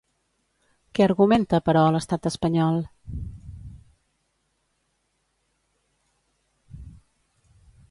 Què argumenta, però, l'Estat espanyol?